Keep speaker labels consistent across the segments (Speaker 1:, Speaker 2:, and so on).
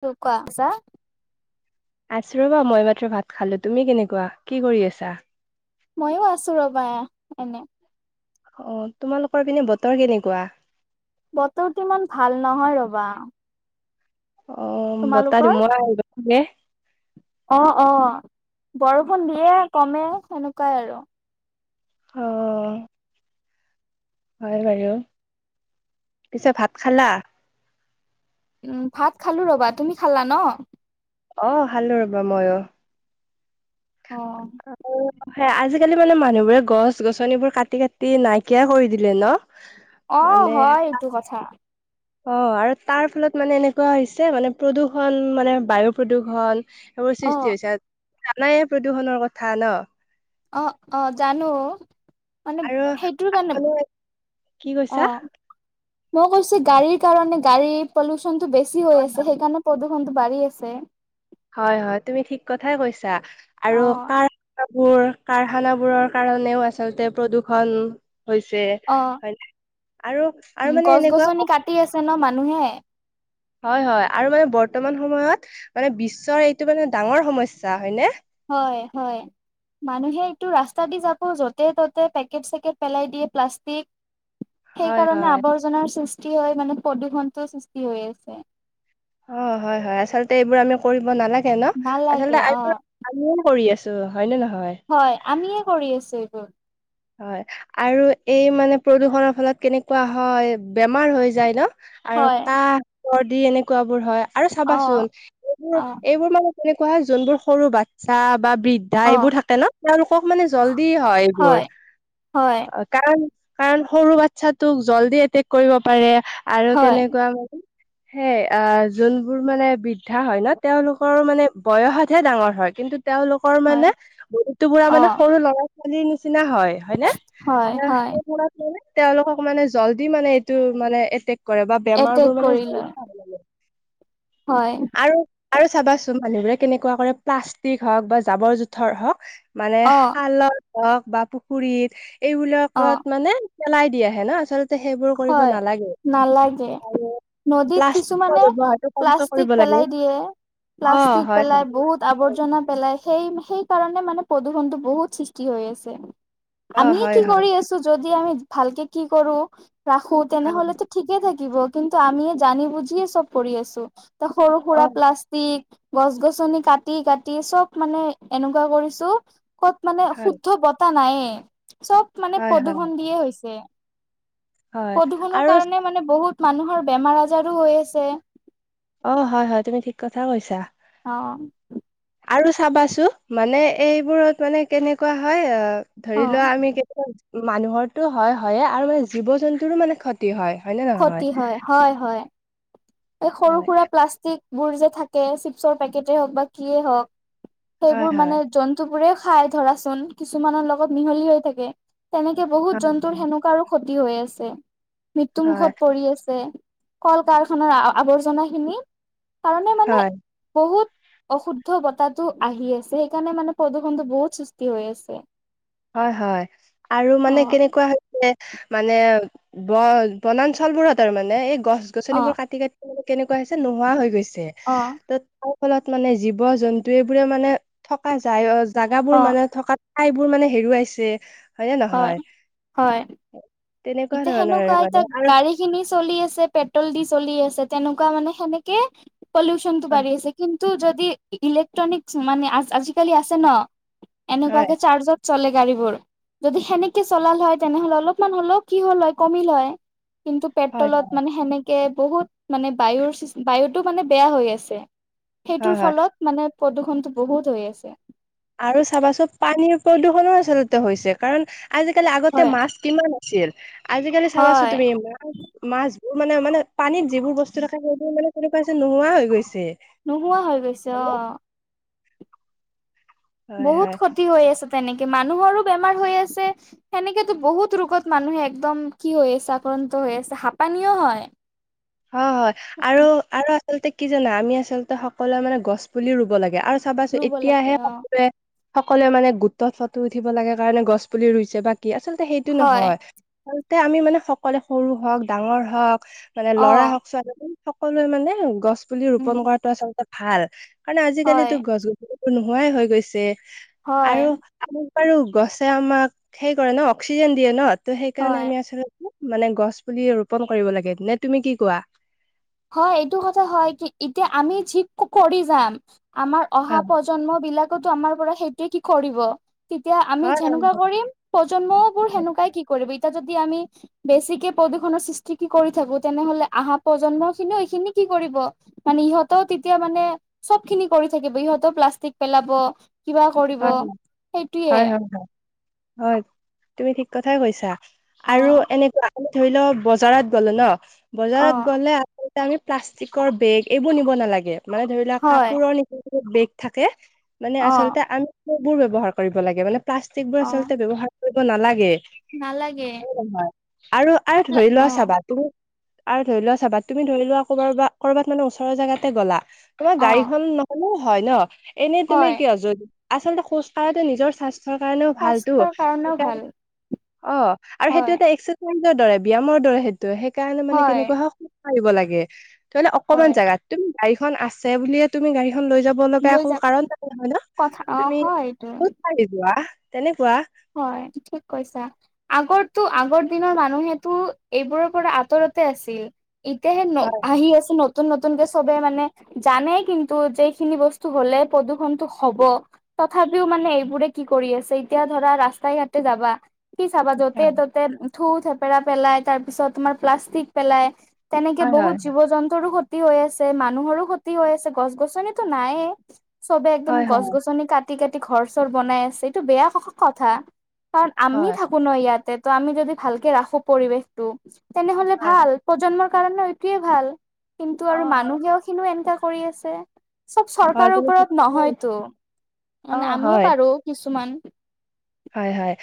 Speaker 1: কো কোৱা আছা [unintelligible]
Speaker 2: আছো ৰবা মই মাত্ৰ ভাত খালো তুমি কেনেকুৱা কি কৰি আছা
Speaker 1: মইও আছো ৰবা এনে
Speaker 2: অ তোমালোকৰ পিনে বতৰ কেনেকুৱা
Speaker 1: বতৰটো ইমান ভাল নহয় ৰবা।
Speaker 2: অ বতাহ
Speaker 1: তোমালোকৰ
Speaker 2: ধুমুহা আহিব যে
Speaker 1: অ অ বৰষুণ দিয়ে কমে সেনেকুৱাই আৰু
Speaker 2: অ হয় বাৰু পিছে ভাত খালা
Speaker 1: উ ভাত খালো ৰবা তুমি খালা ন?
Speaker 2: অ খালো ৰবা মইয়ো।
Speaker 1: অ।
Speaker 2: আকৌ পাত সেয়া আজিকালি মানে মানুহবোৰে গছ গছনিবোৰ কাটি কাটি নাইকিয়া কৰি দিলে ন।
Speaker 1: অ
Speaker 2: মানে
Speaker 1: হয় এইটো [inaudible]
Speaker 2: অ আৰু তাৰ ফলত মানে এনেকুৱা হৈছে মানে প্ৰদূৰ্ষণ মানে বায়ু প্ৰদূৰ্ষণ। সেইবোৰ
Speaker 1: অ
Speaker 2: সৃষ্টি হৈছে আৰু জানাই প্ৰদূষণৰ কথা ন।
Speaker 1: অ অ জানো। মানে
Speaker 2: আৰু
Speaker 1: সেইটোৰ কাৰণে
Speaker 2: মানে কি কৈছা
Speaker 1: অ। মই কৈছো গাড়ীৰ কাৰণে গাড়ী পলুচনতটো বেছি
Speaker 2: অ
Speaker 1: হৈ আছে সেইকাৰণে। প্ৰদূষণ টো বাঢ়ি আছে।
Speaker 2: হয় হয় তুমি ঠিক কথাই কৈছা
Speaker 1: অ
Speaker 2: আৰু কাৰ। বোৰ কাৰখানা বোৰৰ কাৰণেও আচলতে প্ৰদূৰ্ষন। হৈছে
Speaker 1: অ
Speaker 2: হয় নে আৰু আৰু মানে এনেকুৱা।
Speaker 1: কাতি আছে ন মানুহে।
Speaker 2: হয় হয় আৰু মানে বৰ্তমান সময়ত মানে বিশ্বৰ এইটো মানে ডাঙৰ সমস্যা হয়নে।
Speaker 1: হয় হয়। মানুহে এইটো ৰাস্তা দি যাব য'তে ত'তে পেকেট চেকেট পেলাই দিয়ে প্লাষ্টিক।
Speaker 2: হয়
Speaker 1: সেইকাৰণে
Speaker 2: হয়
Speaker 1: আৱৰ্জনাৰ সৃষ্টি হয় মানে প্ৰদূষণটো সৃষ্টি হৈ আছে।
Speaker 2: অঁ হয় হয় আচলতে এইবোৰ আমি কৰিব নালাগে ন
Speaker 1: নালাগে
Speaker 2: আচলতে
Speaker 1: অ
Speaker 2: আৰু। আমিও কৰি আছো হয়নে নহয়।
Speaker 1: হয় আমিয়ে কৰি আছো এই।
Speaker 2: হয় আৰু এই মানে প্ৰদূষণৰ ফলত কেনেকুৱা হয় বেমাৰ হৈ যায় ন। আৰু
Speaker 1: হয়
Speaker 2: কাহ চৰ্দি এনেকুৱা বোৰ হয় আৰু
Speaker 1: অ
Speaker 2: চাবাচোন এইবোৰ
Speaker 1: অ
Speaker 2: এইবোৰ মানে- এনেকুৱা যোনবোৰ সৰু বাচ্ছা বা বৃদ্ধ- দা
Speaker 1: অ
Speaker 2: এইবোৰ থাকে ন তেওঁলোকক মানে জল্দি হয় এইবোৰ।
Speaker 1: হয়।
Speaker 2: অ, কাৰণ কাৰণ সৰু বাচ্ছাটোক জল্দি এটেক কৰিব পাৰে আৰু কেনেকুৱা-
Speaker 1: । [inaudible]
Speaker 2: সেই অ যোনবোৰ মানে বৃদ্ধা হয় ন তেওঁলোকৰ মানে বয়সতহে ডাঙৰ হয় কিন্তু তেওঁলোক-
Speaker 1: হয়
Speaker 2: মানে বহুতো বুৰা
Speaker 1: অ
Speaker 2: মানে সৰু ল'ৰা ছোৱালীৰ নিচিনা হয়। হয়নে,
Speaker 1: হয় হয়
Speaker 2: সেই মানে তেওঁলোকক মানে জল্ডি মানে এইটো মানে এতে- কৰে বা বেমাৰ
Speaker 1: এটেক
Speaker 2: বোৰ মানে
Speaker 1: কৰি
Speaker 2: জ
Speaker 1: লয়
Speaker 2: ভ লাগে।
Speaker 1: হয়।
Speaker 2: আৰু আৰু চাবাচোন মানুহবোৰে কেনেকুৱা কৰে প্লাষ্টিক হওক বা জাবৰ জোথৰ হওক। মানে
Speaker 1: অ
Speaker 2: খালত হওক বা পুখুৰীত
Speaker 1: অ
Speaker 2: এইবিলাকত মানে। পেলাই দিয় আহে ন আচলতে- সেইবোৰ কৰিব
Speaker 1: হয়
Speaker 2: নালাগে
Speaker 1: নালাগে
Speaker 2: আৰু
Speaker 1: নদীত
Speaker 2: প্লাষ্টিকৰ
Speaker 1: কিছুমানে
Speaker 2: ব্যৱহাৰটো কমকৈ
Speaker 1: প্লাচ- টিক
Speaker 2: কৰিব লাগে
Speaker 1: পেলাই দিয়ে,
Speaker 2: অ
Speaker 1: প্লাষ্টিক
Speaker 2: হয়
Speaker 1: পেলাই
Speaker 2: হয়
Speaker 1: বহুত - আৱৰ্জনা পেলাই সেই সেই কাৰণে মানে প্ৰদূষণতটো বহুত সৃষ্টি হৈ আছে।
Speaker 2: অ
Speaker 1: আমি কি
Speaker 2: হয় হয়
Speaker 1: কৰি আছো যদি আমি ভালকে কি কৰো ৰাখো
Speaker 2: হয়
Speaker 1: তেনেহলেতো। ঠিকে থাকিব কিন্তু আমি জানি বুজিয়েই চব কৰি আছো। সৰু
Speaker 2: অ
Speaker 1: সুৰা প্লাষ্টিক। গছ গছনি কাটি কাটি চব মানে এনেকুৱা কৰিছো, কত মানে
Speaker 2: হয়
Speaker 1: শুদ্ধ ব- টা নাইয়ে, চব মানে
Speaker 2: হয় হয়
Speaker 1: প্ৰদূষণ দিয়ে হৈছে।
Speaker 2: হয়
Speaker 1: প্ৰদূষণৰ
Speaker 2: আৰু
Speaker 1: কাৰণে মানে বহুত মানুহৰ বেমাৰ আজাৰো হৈ আছে।
Speaker 2: অঁ হয় হয় তুমি ঠিক কথা কৈছা।
Speaker 1: অঁ।
Speaker 2: আৰু চাবাচো মানে এইবোৰত মানে কেনেকুৱা হয় অ- ধৰি লোৱা
Speaker 1: অ',
Speaker 2: আমি কেতিয়াবা মানুহৰটো হয় হয়ে, আৰু মানে জীৱ জন্তুৰো মানে- যি হয় হয়নে
Speaker 1: ক্ষতি
Speaker 2: নহয়।
Speaker 1: হয় হয় হয়। এই সৰু
Speaker 2: হয়
Speaker 1: সুৰা প্লাষ্টিক বোৰ যে থাকে চিপছৰ পেকেটেই হওঁক বা কিয়েই হওঁক।
Speaker 2: হয়
Speaker 1: সেইবোৰ মানে
Speaker 2: হয়
Speaker 1: জন্তু বোৰে খাই ধৰাচোন কিছুমানৰ লগত মিহলি হৈ থাকে। তেনেকে বহুত জন্তুৰ সেনেকুৱাৰ ক্ষতি হৈ আছে মৃত্যু
Speaker 2: হয়
Speaker 1: মুুখত পৰি আছে। কল কাৰখাৰ আৱৰ্জনা খিনি কাৰণে- মানে
Speaker 2: হয়
Speaker 1: বহুত অশুদ্ধ বতাহটো আহি আছে সেইকাৰণে মানে প্ৰদূষণটো বহুত সৃষ্টি হৈ আছে।
Speaker 2: হয় হয় আৰু মানে
Speaker 1: অ',
Speaker 2: কেনেকুৱা- নে মানে ব বনাঞ্চল বোৰত আৰু মানে এই গছ
Speaker 1: অ',
Speaker 2: গছনিবোৰ কাটি কাটি- কেনেকুৱা হৈছে নোহোৱা হৈ গৈছে।
Speaker 1: অঁ।
Speaker 2: ত তাৰ ফলত মানে জীৱ জন্তু এইবোৰে মানে থকা যায় জোগাবোৰ
Speaker 1: অ',
Speaker 2: মানে থকা- ঠাইবোৰ মানে হেৰুৱাইছে হয়নে
Speaker 1: হয়,
Speaker 2: নহয়?
Speaker 1: হয়।
Speaker 2: তেনেকুৱা ধৰণৰ মানে।
Speaker 1: কিনি চলি আছে, পেট্ৰল দি চলি আছে, তেনেকুৱা মানে সেনেকে পলিউচন টো
Speaker 2: হয়
Speaker 1: বাঢ়ি আছে। কিন্তু যদি ইলেক্ট্ৰনিক মানে আজিকালি আছে ন,
Speaker 2: হয়
Speaker 1: এনেকুৱাকে চাৰ্জত চলে গাড়ীবোৰ, যদি সেনেকে চলাল হয়, তেনেহ'লে অলপমান হ'লেও কি হল হয় কমিল লয়। কিন্তু
Speaker 2: হয়
Speaker 1: পেট্ৰলত মানে সেনেকে বহুত মানে বায়ুৰ বায়ুটো মানে বেয়া হৈ আছে।
Speaker 2: হয়
Speaker 1: সেইটোৰ
Speaker 2: হয়
Speaker 1: ফলত মানে প্ৰদূৰ্ষণতটো বহুত হৈ আছে।
Speaker 2: আৰু চাবাচোন পানীৰ প্ৰদূষণো আচলতে হৈছে, কাৰণ আজিকালি আগতে
Speaker 1: হয়
Speaker 2: মাছ কিমান আছিল। আজিকালি চাবাচো
Speaker 1: হয়
Speaker 2: তুমি ইমান মাছবোৰ মানে মানে পানীত যিবোৰ বস্তু থাকে, সেইবোৰ মানে কেনেকুৱা যে নোহোৱা হৈ গৈছে।
Speaker 1: নোহোৱা হৈ গৈছে অঁ।
Speaker 2: হয়
Speaker 1: বহুত
Speaker 2: হয়
Speaker 1: ক্ষতি হৈ আছে তেনেকে, মানুহৰো বেমাৰ হৈ আছে, সেনেকেতো বহুত ৰোগত মানুহে একদম কি হৈ আছে, আক্ৰান্ত হৈ আছে হাপানিও হয়।
Speaker 2: হয় হয় আৰু আৰু আচলতে কি জানা আমি আচলতে সকলোৱে মানে গছ পুলি ৰুব লাগে আৰু চাবাছো
Speaker 1: ৰুব লাগে
Speaker 2: এতিয়াহে
Speaker 1: অ
Speaker 2: সকলোৱে সকলোৱে মানে গোটত ফটো উঠিব লাগে কাৰণে গছ পুলি ৰুইছে বা কি আচলতে সেইটো
Speaker 1: হয়
Speaker 2: নহয়। আচলতে আমি মানে সকলোৱলে সৰু হওঁক, ডাঙৰ হওঁক, মানে
Speaker 1: অ
Speaker 2: ল'ৰা হওক ছোৱালীজন সকলোৱে মানে গছ পুলি
Speaker 1: উম
Speaker 2: ৰোপন কৰাতটো আচলতে ভাল। কাৰণ
Speaker 1: হয়
Speaker 2: আজিকালিতো গছ-গ নোহোৱাই হৈ গৈছে
Speaker 1: হয়
Speaker 2: আৰু আৰু বাৰো গছে আমাক হেই কৰে ন, অক্সিজেন দিয়ে ন। ত সেইকাৰণে
Speaker 1: হয়
Speaker 2: আমি আচলতে মানে গছ পুলি ৰোপন কৰিব লাগে, নে তুমি কি কোৱা?
Speaker 1: হয় এইটো কথা হয়, কি এতিয়া আমি কৰি যাম, আমাৰ অহা
Speaker 2: হয়
Speaker 1: প্ৰজন্ম বিলাকতো আমাৰ পৰা সেইটোৱে কি কৰিব, তেতিয়া আমি
Speaker 2: হয়
Speaker 1: যেনেকুৱা কৰিম, প্ৰজন্মও বোৰ সেনেকুৱাই কি কৰিব। এতিয়া যদি আমি বেছিকে প্ৰদূষণৰ সৃষ্টি কৰি থাকো, তেনেহলে আহা প্ৰজন্মক এইখিনি কি কৰিব। মানে ইহঁতেও তেতিয়া মানে সব খিনি কৰি থাকিব, ইহঁতেও প্লাষ্টিক পেলাব, কিবা কৰিব
Speaker 2: হয় হয় হয়
Speaker 1: সেইটোয়ে।
Speaker 2: হয় হয় হয় তুমি ঠিক কথাই কৈছা
Speaker 1: অ
Speaker 2: আৰু এনেকুৱা আমি ধৰি লওঁ বজাৰত গ'লো ন,
Speaker 1: অ
Speaker 2: বজাৰত গলে এয়া আমি প্লাষ্টিকৰ বেগ এইবোৰ নিব নালাগে। মানে ধৰি লোৱা
Speaker 1: হয়
Speaker 2: কাপোৰৰ বেগ থাকে, মানে
Speaker 1: অ
Speaker 2: আচলতে আমি সেইবোৰ ব্যৱহাৰ কৰিব লাগে মানে, প্লাষ্টিক বোৰ
Speaker 1: অ
Speaker 2: আচলতে ব্যৱহাৰ কৰিব নালাগে।
Speaker 1: নালাগে।
Speaker 2: হয়। আৰু আৰু ধৰি লোৱা
Speaker 1: অ
Speaker 2: চাবা' তুমি আৰু ধৰি লোৱা চাবা, তুমি ধৰি লোৱা কৰবাৰ বা ক'বাত মানে ওচৰৰ জাগাতে গ'লা, তোমাৰ
Speaker 1: অ
Speaker 2: গাড়ীখন হয় ন, এনেই তুমি
Speaker 1: হয়
Speaker 2: কিয় যদি আচলতে খোজ কঢ়াতে নিজৰ স্বাস্থ চৰ কাৰণেও ভাল টো,
Speaker 1: স্বাস্থ্যৰ কাৰণেও ভাল
Speaker 2: অ আৰু সেইটো
Speaker 1: হয়
Speaker 2: এটা ৰ দৰে ব্যয়ায়ামৰ দৰে সেইটো, সেইকাৰণে মানে
Speaker 1: হয়
Speaker 2: কেনেকুৱা স [unintelligible] লাগে। ধৰিলক
Speaker 1: হয়
Speaker 2: অকণমান জোগাত, তুমি গাড়ীখন আছে বুলিয়ে তুমি গাড়ীখন লৈ যাব লগা
Speaker 1: লৈ
Speaker 2: একো
Speaker 1: যাবা
Speaker 2: কাৰণ নাই নাই নহয় ন?
Speaker 1: কথা অ
Speaker 2: তুমি
Speaker 1: হয় এইটোৱে।
Speaker 2: [unintelligible] তেনেকুৱা।
Speaker 1: হয়, ঠিক কৈছা। আগতো, আগৰ দিনৰ মানুহেতো এইবোৰৰ পৰা আঁতৰতে আছিল। ইতিয়ােহে ন,
Speaker 2: হয়,
Speaker 1: আহি আছে নহ নতুন নতুনকে চবে মানে জানে কিন্তু, যেখিনি বস্তু হলে প্ৰদূৰণতটো হব। তথাপিও মানে এইবোৰে কি কৰি আছে, এতিয়া ধৰা ৰাস্তাই ঘাটে যাবা, কি চাবা য'তে
Speaker 2: হয়,
Speaker 1: ত'তে থু থেপেৰা পেলাই, তাৰ পিছত তোমাৰ প্লাষ্টিক পেলাই তেনেকে
Speaker 2: হয়, হয়,
Speaker 1: বহুত জীৱ জন্তুৰো। ক্ষতি হৈ আছে, মানুহৰো ক্ষতি হৈ আছে, গছ-গছনিতো নাইে। চবে একদম
Speaker 2: হয়, হয়,
Speaker 1: গছ-গছনি কাটি কাটি কাটি ঘৰ চৰ বনাই আছে। এইটো বেয়া কথা, কাৰণ আমি
Speaker 2: হয়,
Speaker 1: পুনৰ ইয়াতে ত' আমি যদি ভালকে ৰাখো পৰিৱেশ টো তেনেহলে
Speaker 2: হয়,
Speaker 1: ভাল। প্ৰজন্মৰ কাৰণে এইটোৱে ভাল কিন্তু
Speaker 2: অ',
Speaker 1: আৰু
Speaker 2: হয়,
Speaker 1: মানুহেও খিনিও এনেকা কৰি আছে। চব
Speaker 2: হয়,
Speaker 1: চৰকাৰৰ
Speaker 2: তুমি ঠিক
Speaker 1: ওপৰত
Speaker 2: কথাই কৈছা।
Speaker 1: নহয়তো মানে
Speaker 2: অ',
Speaker 1: আমিও
Speaker 2: হয়।
Speaker 1: পাৰোঁ কিছুমান।
Speaker 2: হয় হয়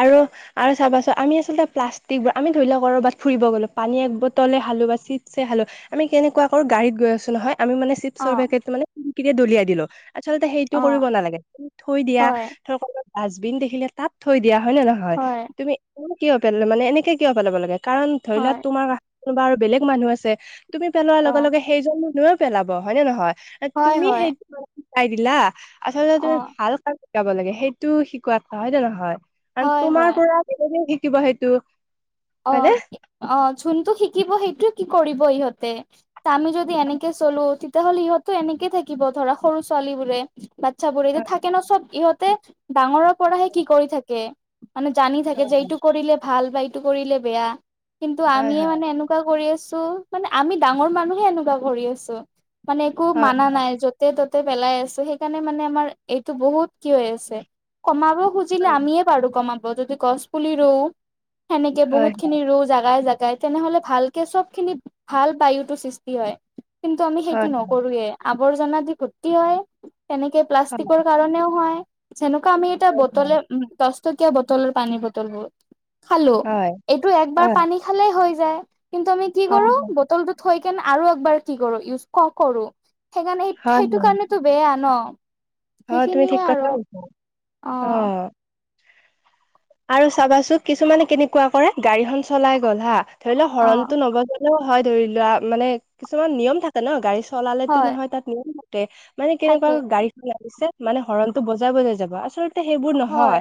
Speaker 2: আৰু আৰু চাবাচোন আমি আচলতে প্লাষ্টিকবোৰ আমি ধৰি লৱক ক'ৰবাত ফুৰিব গ'লো পানী এক বটলে খালোঁ বা চিপছে খালোঁ। আমি কেনেকুৱা কৰোঁ গাড়ীত গৈ আছোঁ নহয় আমি মানে
Speaker 1: অ
Speaker 2: চিপছৰ পেকেট মানে খিৰিকীৰে দলিয়াই দিলোঁ। আচলতে সেইটো
Speaker 1: অ
Speaker 2: কৰিব নালাগে তুমি থৈ দিয়া,
Speaker 1: হয়
Speaker 2: ধৰা ক'ৰবাত ডাষ্টবিন দেখিলে তাত থৈ দিয়া হয়নে নহয়?
Speaker 1: হয়
Speaker 2: তুমি তুমিনো কিয় পেলা মানে এনেকে কিয় পেলাব লাগে কাৰণ ধৰি লোৱা
Speaker 1: হয়
Speaker 2: তোমাৰ কা কোনোবা আৰু বেলেগ মানুহ আছে তুমি পেলোৱাৰ
Speaker 1: অ
Speaker 2: লগে লগে সেইজন মানুহেও পেলাব হয় নে নহয়? এত
Speaker 1: হয়
Speaker 2: তুমি
Speaker 1: হয়
Speaker 2: সেইটো শিকাই দিলা আচলতে
Speaker 1: অ
Speaker 2: তুমি ভাল কাম শিকাব লাগে। সেইটো শিকোৱাত হয়নে নহয়? কাৰণ
Speaker 1: হয়
Speaker 2: তোমাৰ
Speaker 1: হয়
Speaker 2: পৰা বেলেগেও শিকিব সেইটো।
Speaker 1: অঁ
Speaker 2: হয়নে?
Speaker 1: অঁ যোনটো শিকিব সেইটোৱে কি কৰিব ইহঁতে। তা' আমি যদি এনেকে চলো তেতিয়াহ'লে ইহঁতো এনেকে থাকিব ধৰা সৰু ছোৱালীবোৰে। বাতচ্ছাবোৰে এতিয়া
Speaker 2: হয়
Speaker 1: থাকে ন চব ইহঁতে ডাঙৰৰ পৰাহে কি কৰি থাকে। মানে জানি থাকে যে এইটো কৰিলে ভাল বা এইটো কৰিলে বেয়া কিন্তু
Speaker 2: হয়
Speaker 1: আমিয়ে
Speaker 2: হয়
Speaker 1: মানে এনেক এনেকুৱা কৰি আছোঁ মানে আমি ডাঙৰ মানুহে এনেকুৱা কৰি আছোঁ। মানে একো
Speaker 2: হয়
Speaker 1: মানা নাই য'ত য'তে ততে পেলাই আছোঁ। সেইকাৰণে মানে আমাৰ এইটো বহুত কি হৈ আছে কমাব খোজ জিলে আমিয়ে পাৰোঁ কমাব যদি গছ পুলি ৰু সেনেকে
Speaker 2: হয়
Speaker 1: বহুত খিনি ৰু জাগাই জা যায় তেনেহলে ভালকে চব খিনি ভাল বায়ুটো সৃষ্টি হয় কিন্তু আমি সেইটো
Speaker 2: হয়
Speaker 1: নকৰোঁৱে। আৱৰ্জনা দি গোক্তি হয়। তেনেকে
Speaker 2: হয়
Speaker 1: প্লাষ্টিকৰ কাৰণেও হয়। যেনেকুৱা আমি এটা
Speaker 2: হয়
Speaker 1: বটলে উম দছ টকীয়া বটলৰ পানীৰ বটলবোৰ। খালো
Speaker 2: হয়
Speaker 1: এইটো
Speaker 2: হয়
Speaker 1: একবাৰ
Speaker 2: হয় হয়
Speaker 1: পানী খালে হৈ যায়। কিন্তু আমি কি
Speaker 2: হয়
Speaker 1: কৰোঁ? বটলটো থৈ কেনে আৰু একবাৰ কি কৰোঁ ইউজ ক কৰোঁ সেই সেইকাৰণে সেই
Speaker 2: হয় হয়
Speaker 1: সেইটো
Speaker 2: হয়
Speaker 1: কাৰণে সেইটো বেয়া ন?
Speaker 2: হয় তুমি ঠিক
Speaker 1: সেইখিনিয়ে
Speaker 2: কথা
Speaker 1: আৰু
Speaker 2: কৈছা
Speaker 1: অঁ।
Speaker 2: অ আৰু চাবাচোন কিছুমানে কেনেকুৱা কৰে গাড়ীখন চলাই গ'ল হা ধৰি লোৱা
Speaker 1: অ
Speaker 2: হৰণটো নবজো হয় ধৰি লোৱা মানে কিছুমান নিয়ম থাকে ন? গাড়ী চলালেতো
Speaker 1: হয়
Speaker 2: নহয় তাত নিয়ম কে মানে কেনেকুৱা
Speaker 1: থাকে
Speaker 2: গাড়ীখন লাগিছে। মানে হৰণটো বজাই বজাই যাব। আচল লতে সেইবোৰ
Speaker 1: হয়
Speaker 2: নহয়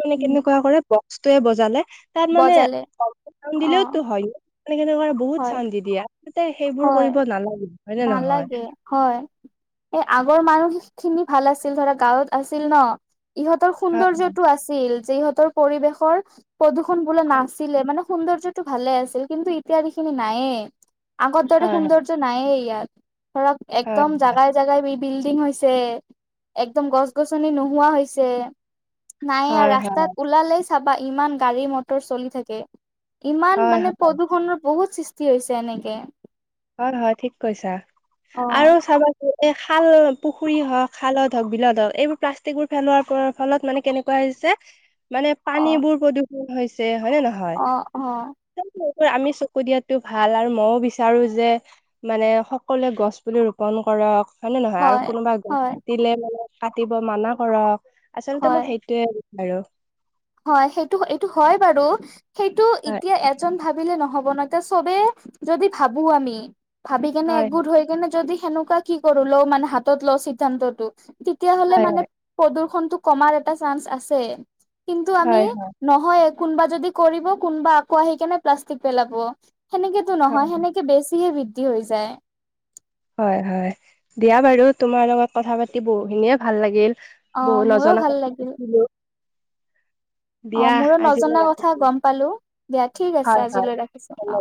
Speaker 2: মানে
Speaker 1: উম
Speaker 2: কেনেকুৱা কৰে বক্সটোৱে বজালে তাত মানে
Speaker 1: বজালে
Speaker 2: চাউন
Speaker 1: অ।
Speaker 2: দিলেওতো হয। [unintelligible] বহুত
Speaker 1: হয়,
Speaker 2: চাউণ্ দি দিয়া। তাতে সেইবোৰ
Speaker 1: হয়,
Speaker 2: কৰিব নালাগে। হয় নে নহয়
Speaker 1: নালাগে। হয় এই আগৰ মানুহ খিনি ভাল আছিল ধৰা গাঁৱত আছিল ন। ইহঁতৰ
Speaker 2: হয়
Speaker 1: সৌন্দৰ্যটো আছিল যে ইহঁতৰ পৰিৱেশৰ প্ৰদূষণ। খন বোলো নাছিলে মানে সৌন্দৰ্যটো ভালে আছিল কিন্তু ইতয়াদিখিনি নায়েই। আগত দৰে
Speaker 2: হয়
Speaker 1: সৌন্দৰ্য নাইে ইয়াত ধৰক
Speaker 2: হয়
Speaker 1: একদম জাগাই। জোগাই বি বিল্ডিং হৈছে একদম গছ গছনি নোহোৱা হৈছে। নাইে
Speaker 2: হয় হয়
Speaker 1: ৰাস্তাত ওলালেই চাবা ইমান গাড়ী মটৰ চলি থাকে। ইমান
Speaker 2: হয়
Speaker 1: মানে
Speaker 2: হয়
Speaker 1: প্ৰদূৰষণৰ বহুত সৃষ্টি হৈছে এনেকে।
Speaker 2: হয় হয় ঠিক কৈছা
Speaker 1: অ',
Speaker 2: আৰু চাবা এ খাল, পুখুৰী হওক খালত হওক বিলত হওক এইবোৰ প্লাষ্টিক বোৰ ফেলোৱাৰ পৰৰ ফলত মানে কেনেকুৱা হৈছে।
Speaker 1: [inaudible]
Speaker 2: মানে পানী
Speaker 1: অ'।
Speaker 2: বোৰ প্ৰদূষণ হৈছে। হয়নে নহয়?
Speaker 1: অ অ।
Speaker 2: আমি চকু দিয়াতো ভাল আৰু মৌ বিচাৰো যে মানে সকলোৱে গছ পুলি ৰোপন কৰক। হয় নে নহয়? আৰু কোনোবা গছ কাটিলে মানে কাটিব মানা কৰক। আচলতে
Speaker 1: হয়
Speaker 2: মই সেইটোৱে বাৰু।
Speaker 1: হয় সেইটো এইটো হয় বাৰু। সেইটো
Speaker 2: হয়
Speaker 1: এতিয়া এজন ভাবিলে নহব ন। তিয়া চবেই যদি ভাবো আমি ভাবি কেনে
Speaker 2: হয়
Speaker 1: একগোট হৈ কেনে যদি সেনেকুৱা কি কৰো ল মানে হাতত ল চিদ্ধান্তটো। তেতিয়া হলে
Speaker 2: হয়
Speaker 1: মানে প্ৰদূ্ষণটো কমাৰ এটা চান্স আছে। কিন্তু আমি
Speaker 2: হয়
Speaker 1: নহয় কোনোবা যদি কৰিব, কোনোবা আকৌ আহি কেনে প্লাষ্টিক পেলাব, সেনেকে', সেইটো
Speaker 2: হয়
Speaker 1: নহয়, সেনেকে বেছিহে বৃদ্ধি হৈ যায়',
Speaker 2: হয়', - হয়', দিয়া বাৰু তোমাৰ লগত কথা পাতি বহুখিনিয়ে ভাল লাগিল',
Speaker 1: অ
Speaker 2: বহুত
Speaker 1: মোৰো
Speaker 2: নজনা
Speaker 1: ভাল
Speaker 2: কথা
Speaker 1: লাগিল
Speaker 2: শিকিলোঁ',
Speaker 1: অ', মোৰো
Speaker 2: আজিলৈ
Speaker 1: নজনা
Speaker 2: ৰাখো
Speaker 1: কথা গম পালোঁ, দিয়া ঠিক আছে আজিলৈ ৰাখিছোঁ, অ',